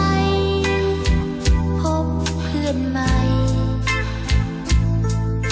พี่แบบกันละว่าว่าเขาค่อยสูบเพิ่งหน้าน่ะนะครับ